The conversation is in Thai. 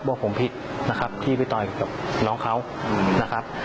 บอกผมผิดนะครับที่ไปต่อยกับน้องเขานะครับ